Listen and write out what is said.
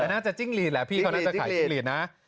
แต่น่าจะจิ้งหลีดแหละพี่เขาน่าจะขายจิ้งหลีดนะ